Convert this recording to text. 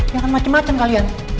jangan macem macem kalian